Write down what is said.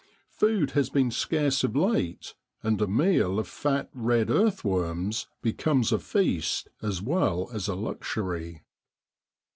Food has been scarce of late, and a meal of fat red earth worms becomes a feast as well as a luxury.